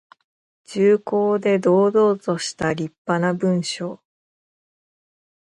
重厚で堂々としたりっぱな文章。